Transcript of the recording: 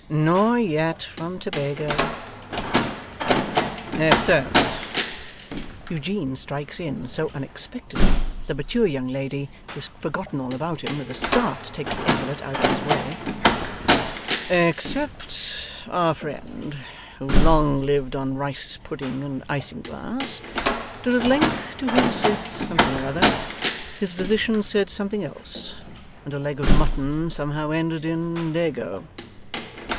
'Nor yet from Tobago.' 'Except,' Eugene strikes in: so unexpectedly that the mature young lady, who has forgotten all about him, with a start takes the epaulette out of his way: 'except our friend who long lived on rice pudding and isinglass, till at length to his something or other, his physician said something else, and a leg of mutton somehow ended in daygo.